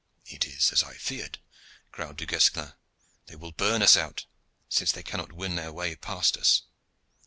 "It is as I feared," growled Du Guesclin. "They will burn us out, since they cannot win their way past us.